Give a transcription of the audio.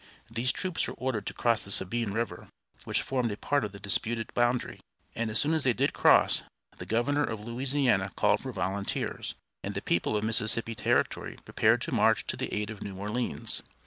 These troops were ordered to cross the Sabine River, which formed a part of the disputed boundary, and as soon as they did cross the governor of Louisiana called for volunteers, and the people of Mississippi Territory prepared to march to the aid of New Orleans.